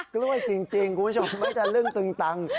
กล้วยจริงคุณผู้ชมไม่ตะลึ่งตึงตัง